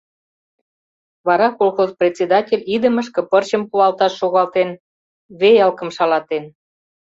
Вара колхоз председатель идымышке пырчым пуалташ шогалтен — веялкым шалатен.